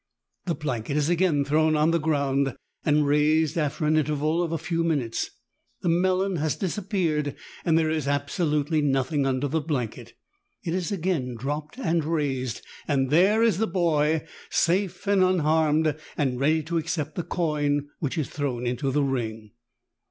The blanket is again thrown on the ground, and raised after an interval of a few minutes. The melon has disappeared, and there is absolutely nothing under the blanket. It is again dropped and raised, and there is the boy safe and unharmed, and ready to accept the coin which is thrown into the ring.